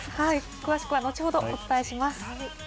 詳しくは後ほどお伝えします。